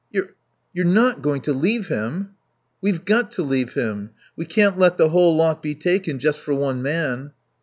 "You're you're not going to leave him!" "We've got to leave him. We can't let the whole lot be taken just for one man."